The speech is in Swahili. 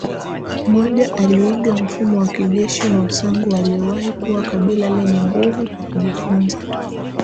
moja Aliiga mfumo wa kijeshi wa Wasangu waliowahi kuwa kabila lenye nguvu kwa kujifunza